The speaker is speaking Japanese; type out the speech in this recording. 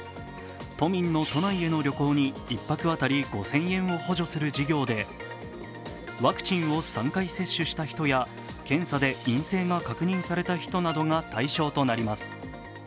都民の都内への旅行に１泊当たり５０００円を補助する事業でワクチンを３回接種した人や検査で陰性が確認された人などが対象となります。